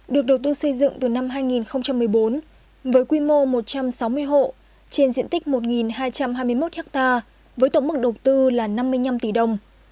được đầu tư xây dựng từ năm hai nghìn một mươi bốn với quy mô một trăm sáu mươi hộ trên diện tích một hai trăm hai mươi một ha với tổng mức đầu tư là năm mươi năm tỷ đồng